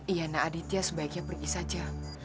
iya nah aditya sebaiknya pergi saja